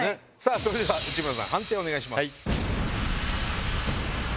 それでは内村さん判定をお願いします。